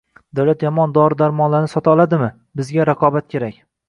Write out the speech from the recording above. Davlat yomon dori -darmonlarni sotib oladimi? Bizga raqobat kerak